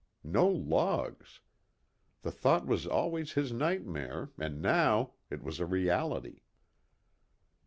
No logs! The thought was always his nightmare, and now it was a reality.